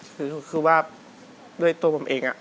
คือว่าด้วยตัวผมเอง